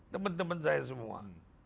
teman teman saya semua